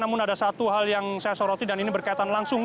namun ada satu hal yang saya soroti dan ini berkaitan langsung